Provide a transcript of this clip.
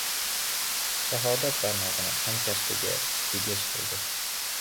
Shahodat barmog‘ini hamkasbiga bigiz qildi.